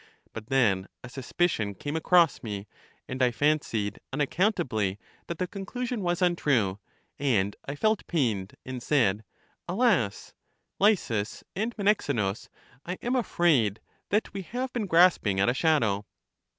But then a suspicion came across me, and I fancied unaccountably that the conclusion was untrue, and I felt pained, and said, Alas! Lysis and Menexenus, I am afraid that we have been grasping at a shadow.